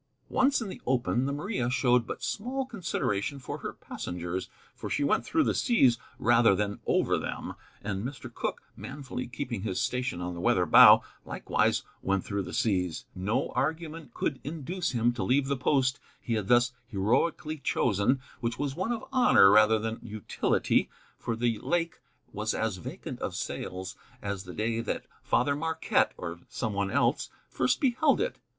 Once in the open, the Maria showed but small consideration for her passengers, for she went through the seas rather than over them. And Mr. Cooke, manfully keeping his station on the weather bow, likewise went through the seas. No argument could induce him to leave the post he had thus heroically chosen, which was one of honor rather than utility, for the lake was as vacant of sails as the day that Father Marquette (or some one else) first beheld it.